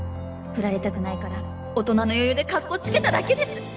フラれたくないから大人の余裕でカッコつけただけです